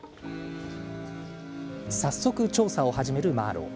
早速、調査を始めるマーロウ。